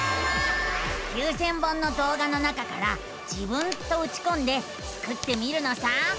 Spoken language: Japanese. ９，０００本のどう画の中から「自分」とうちこんでスクってみるのさ。